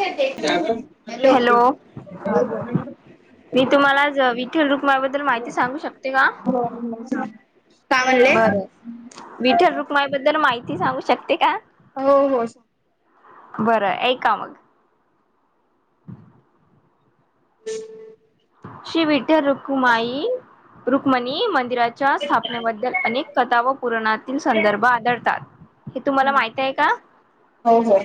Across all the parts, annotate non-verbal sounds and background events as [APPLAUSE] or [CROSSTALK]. Hello! Hello बोल बोल मी तुम्हाला आज विठ्ठल रुक्माईबद्दल माहिती सांगू शकते का? हो साग. [UNINTELLIGIBLE] बर विठ्ठल रुक्माई बद्दल माहिती सांगू शकते का? हो हो साग. बरं ऐका मग [UNINTELLIGIBLE] श्री विठ्ठल रुक्माई रुक्मणी मंदिरात च्या स्थापनेबद्दल अनेक कथा व पुरणील संदर्भ आढळतात हे तुम्हाला माहित आहे का? हो हो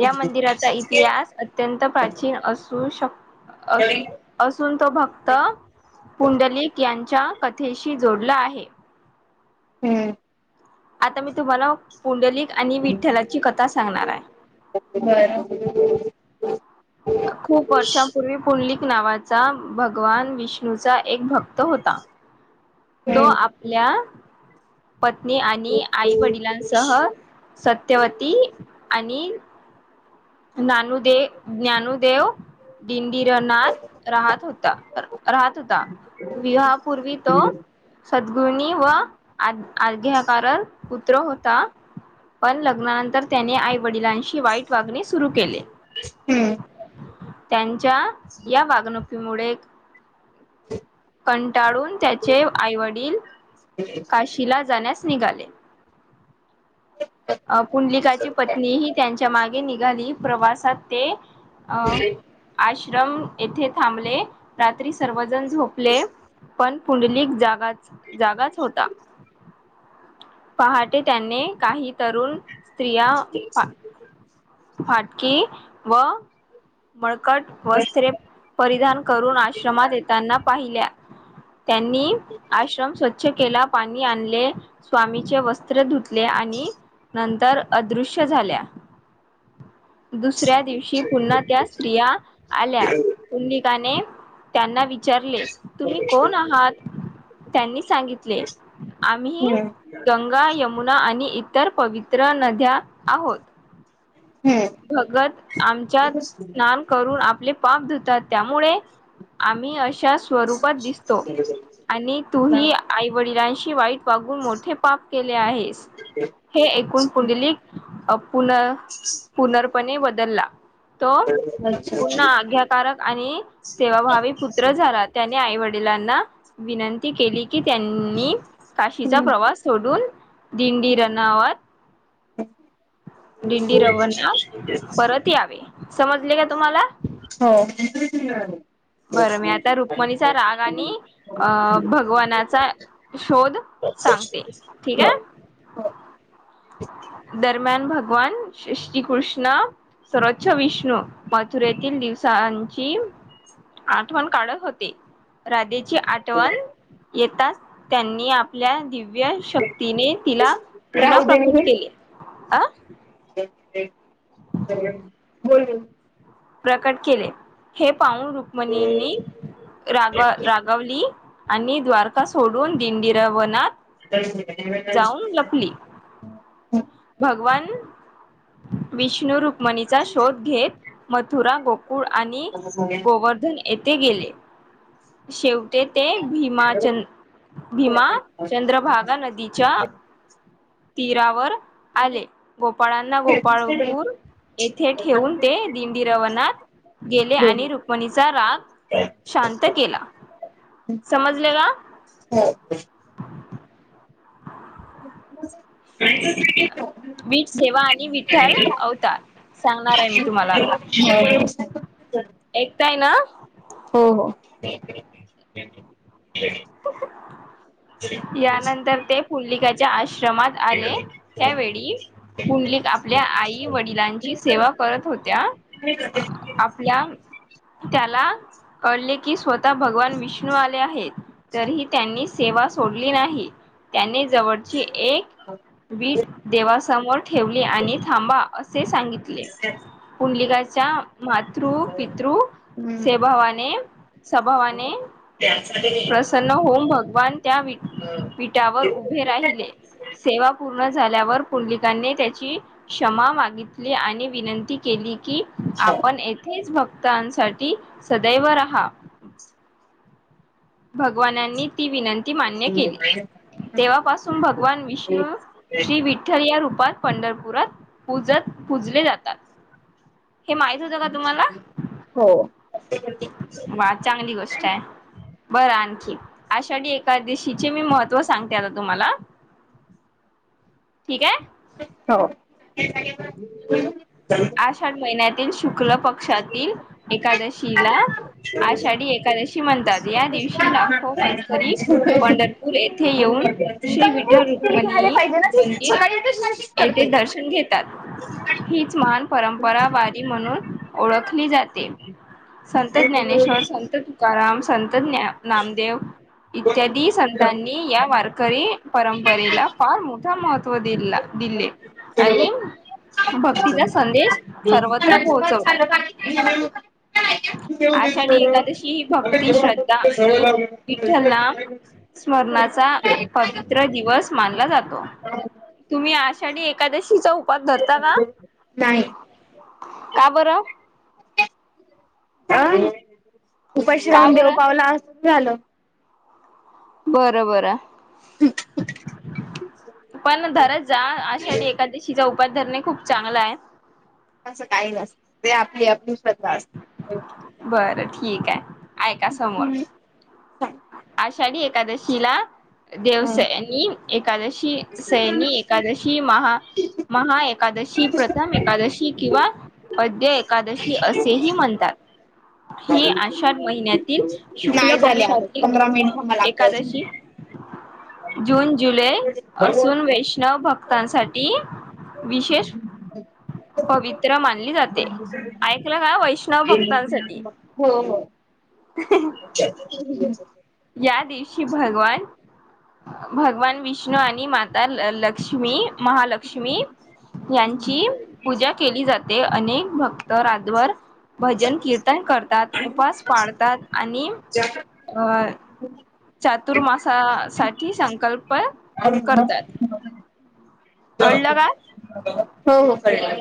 या मंदिराचा इतिहास अत्यंत प्राचीन असू शको अस असून तो भक्त पुंडलिक यांच्या कथेशी जोडला आहे. हम्म आता मी तुम्हाला पुंडलिक आणि विठ्ठलाची कथा सांगणार आहे. बर [INAUDIBLE] खूप वर्षांपूर्वी पुंडलिक नावाचा भगवान विष्णूचा एक भक्त होता. तो हम्म आपल्या पत्नी आणि आई वडिलांसह सत्यवती आणि नानु देेव ज्ञानुदेव दिडंडीरनाथ राहत होता राहत होता. विवापूर्वी तो सद्गुनी व अर्ध्या कारक पुत्र होता. -' पण लग्नानंतर त्याने आई वडिलांशी वाईट वागणे सुरू केले हम्म त्यांच्या या वागणुकीमुळे ह. कंटाळून त्याचे आईवडील काशीला जाण्यास निघाले. अ पुंडलिकाची पत्नी ह त्यांच्या मागे निघाली प्रवासात ते अं आश्रम येथे थांबले रात्री सर्वजण झोपले. पण पुंडलिक जागाच जागाच होता. पहाटे त्याने काही तरुण स्त्रिया. फाटकी व मळकट वस्त्रे परिधान. करून आश्रमात येताना पाहिल्या त्यांनी आश्रम स्वच्छ. केला पाणी आणले स्वामीचे वस्त्र धुतले आणि नंतर अदृश्य झाल्या. दुसऱ्या दिवशी पुन्हा त्या स्त्रिया आल्या पुंलिकाने. त्यांना विचारले तुम्ही कोण आहात त्यांनी सांगितले. आम्ही गंगा यमुना आणि इतर पवित्र नद्या आहोत. हम्म भगत आमच्यात स्नान करून आपले पाप धुतात त्यामुळे आम्ही अशा. स्वरूपात दिसतो आणि तूही हम्म आईवडिलांशी वाईट. वागून मोठे पाप केले आहे हे एकऐूण पुंडली पुन पुर्र्पणे बदलला. तो अच्छा पूर्ण आज्ञकारक आणि सेवाभावी पुत्र झालात. त्यानी आई वडिलांना विनंती केली की त्यांनी. काशीचा प्रवास सोडून दिंडी रनावत. [UNINTELLIGIBLE] कवे समजले का तुम्हाला. हो. बरं मी आता रुक्मणीचा राग आणि अ भगवानाचा शोध सांगते ठीक हो आहे. हो दरम्यान भगवान श्रीकृष्ण सर्वोच्छ विष्णू मथुरेतील दिवसांची. आठवण काढत होते राधेची आठवण. येताच त्यांनी आपल्या दिव्य शक्तीने तिला पुन्हा राहू दे प्रकट. हे केले अ [UNINTELLIGIBLE] प्रकट केले हे पावून रुक्मणीनी रागव राग गवली आणि द्वारका सोडून दिंडीरवनात. [INAUDIBLE] [UNINTELLIGIBLE] हो भगवान विष्णु रुक्मणीचा शोद घेत मथुरा गोप कूळ आणि गोवर्धन येथे गेले. शेवटे ते भीमाचंद. भीमा चंद्रभागा नदीच्या तीरावर. आले गोपाळांना गोपाळपूर येथे ठेवून ते दिंडी रवनात. गेले आणि रुक्मणीचा राग शांत केला. समजल का. हो. [UNINTELLIGIBLE] विट सेवा आणि विठ्ठल अवतार सांगणाराय मी तुम्हाला आता. एकताय ना हो हो यानंतर ते पुंडलिकाच्या आश्रमात आले त्यावेळी पुंडलिक आपल्या आई वडिलांची सेवा करत होत्या आपल्या त्याला कळले की स्वतः भगवान विष्णू आले आहेत तरीही त्यांनी सेवा सोडली नाही त्यांनी जवळची एक वीट देवासमोर ठेवली आणि थांबा असे सांगितले पुंडलिकाचा मातृ पितृ स्वभावाने स्वभावाने त्याच [INAUDIBLE] प्रसन्न होऊन भगवान त्या विट्या विटावर उभे राहिले सेवा पूर्ण झाल्यावर पुंडलिकाने त्याची क्षमा मागितली आणि विनंती केली की आपण येथेच भक्तांसाटी सदैव राहा भगवानांनी ती विनंती ती मान्य केली तेव्हापासून भगवान विष्णू श्री वि विठ्ठल या रूपात पंढरपुरात पूजत पुूजले जातात हे माहित होतं का तुम्हाला हो हो वा चांगली गोष्ट आहे बरं आणखी आषाडी एकादशीचे मी महत्त्व सांगते आता तुम्हाला ठिक आहे हो आषाढ महिन्यातील शुक्ल पक्षातील एकादशीला आषाडी एकादशी म्हणतात या दिवशी लाखो वारकरी कंटिन्यू पंडरपूर येथे येऊन श्री विठल घ्यायला रुक्मणी पाहिजे ना ती मंदि र सकाळी येते सारखीच येथे करते. दर्शन घेतात हिच मान परंपरा वारी म्हणून ओळखली जाते संत ज्ञानेश्वर संत तुकाराम संत ज्ञा नामदेव इत्यादी संतांनी या वारकरी परंपरेला फार मोठा महत्त्व दिला दिले आणि भक्तीचा संदेश सर्वत्र पोहोचवला आषाडी एकादशी ही अरे भक्ती जेव्हा आपण श्रद्धा तिला सवय आणि लावली ना विठ्ठल एकाची नाम स्मरणाचा पवित्र दिवस मानला जातो. नाही तुम्ही आषाढी एकादशीचा उपास धरता का? नाही. का बरं. अ उपाशी का राहून देव बरं? पावला असं झालं बर बर पण धरत जा आषाढी एकादशीचा उप उपास धरणे खूप चांगल हाय असं काही नसत, ते आपली आपली श्रद्धा असते बरं ठीक आहे ऐका समोर आषाठी एकादशीला देवसैनी एकादशी सैनी एकादशी महा महा एकादशी प्रथम एकादशी किंवा अद्य एकादशी असेही म्हणतात ही आषाढ महिन्यातील, शुक्ल नाही झाले आता पक्षातील [UNINTELLIGIBLE] कादशी जून, जुलै असून अजून. वैश णव भक्तांसाठी ह् विशेष ह्. [INAUDIBLE] पवित्र मानली जाते. ऐकलं का वैष्णव भक्तांसाठी ह ह. ह. या दिवशी भगवान भगवान विष्णू आणि माता ल लक्ष्मी महालक्ष्मी यांची पूजा केली जाते. ते अनेक भक्त रातभर भजन कीर्तन करतात, उपास पाळतात आणि अ चातुर्मासासाठी संकल्प करतात. कळलं का हो हो कळले.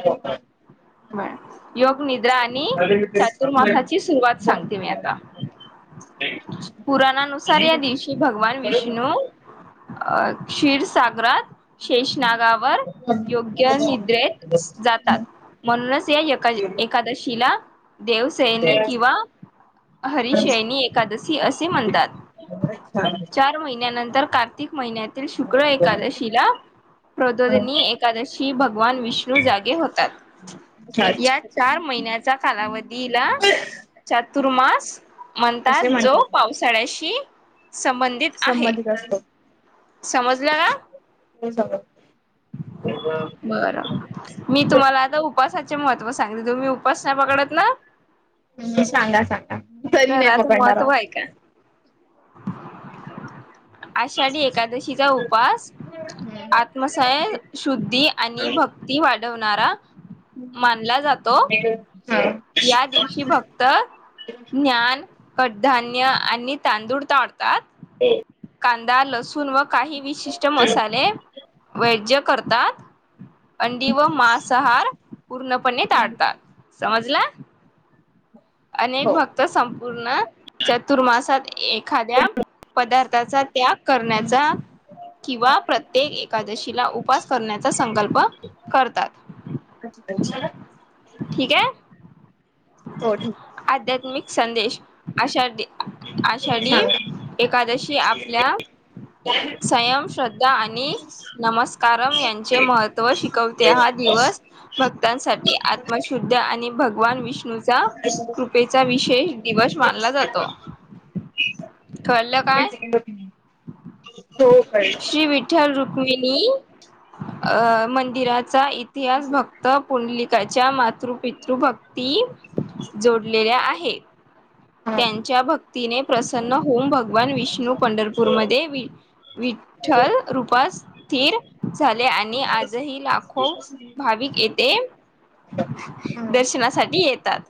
बर. योग निद्रा आणि चातुर्मासाची सुरुवात सांगते मी आता. पुराणानुसार, या दिवशी भगवान विष्णू अ क्षीरसागरात शेष नागावर योग्य निद्रेत जातात. [UNINTELLIGIBLE] याका एकादशीला देवसैनी किंवा हरि शैनी एकादशी असे म्हणतात. चार महिन्यानंतर कार्तिक महिन्यातील शुक्र एकादशीला प्रदोदनी एकादशी भगवान विष्णू जागे होतात. या चार महिन्याचा कालावधीला चातुर्मास म्हणतात, असे जो ना पावसाळ्याशी संमं दित आहे संबंधित असतो समजलं ना? सगळं हो. मी तुम्हाला आता उपासाचे महत्त्व सांगते. तुम्ही उपास नाही पकडत ना? सांगा सांगा तरी तर नाही आता पकडणार आओ. महत्त्व आहे का आषाढी एकादशीचा उपास आत्मसय शुद्धी आणि भक्ती वाढवणारा मानला जातो. हम हा. या दिवशी भक्त ज्ञान, कडधान्य आणि तांदूळ ताडतात. ह. कांदा, लसूण व काही विशिष्ट मसाले वैज्य करतात. अंडी व मांसाहार पूर्णपणे टाळतात. समजलं? अनेक हो भक्त संपूर्ण चातुर्मासात एखाद्या पदार्थाचा त्याग करण्याचा किंवा प्रत्येक एकादशीला उपास करण्याचा संकल्प करतात. [UNINTELLIGIBLE] ठीक आहे? हो, ठीक आहे. आध्यात्मिक संदेश आषाढी. आहे आषाढी सांगा एकादशी आपल्या स्वयं श्रद्धा आणि नमस्कारम यांचे महत्त्व शिकवते. हा दिवस भक्तांसाठी आत्मशुद्ध आणि भगवान विष्णूचा कृपेचा, विशेष दिवस मानला जातो. आपण कळलं काय [UNINTELLIGIBLE] हो कळेल. विठ्ठल-रुक्मिणी मंदिराचा, इतिहास भक्त पुंडलिकाच्या मातृ-पितृ भक्ती, जोडलेल्या आहे. हा त्यांच्या भक्तीने प्रसन्न होवून, भगवान विष्णू पंढरपूर पूरमध्ये वि- विठ्ठल रूपात स्थिर झाले आणि आजही, लाखो भाविक येथे हा दर्शनासाठी येतात.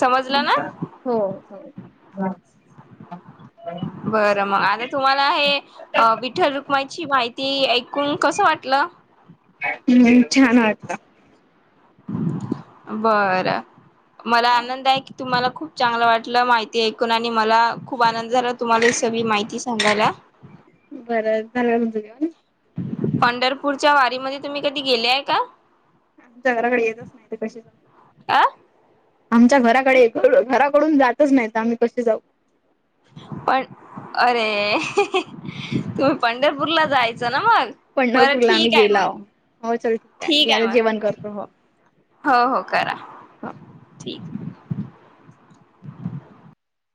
समजलं ना? हो.. हो बरं, मग आता तुम्हाला हे अं.. विठ्ठल-रुक्माईची, माहिती ऐकून कसं वाटलं? हम्म, छान वाटलं बरं, मला आनंद आहे की, तुम्हाला खूप चांगलं वाटलं, माहिती ऐकून. आणि मला खूप आनंद झाला, तुम्हाला ही सगळी माहिती स सांगायला. बरं, झालं तुमचं जेवून? पंढरपूरच्या वारीमध्ये, तुम्ही कधी गेले आहे का? आमच्या घराकडे येतंच नाही, तर ते कशे जावू? अ आमच्या घराकडे, घराकडून जातच नाहीत, आम्ही कसे जाऊ? पण, अरे. ! तुम्ही पंढरपूरला, जायचं ना मग? बरं पंढरपूरला आम्ही ठीक आहे मग गेलाव. हो चल ठीक आहे, मी आता जेवण करतो हो. हो.. हो, करा. हा ठीक